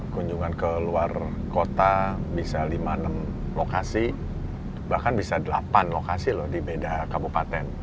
kunjungan ke luar kota bisa lima enam lokasi bahkan bisa delapan lokasi loh di beda kabupaten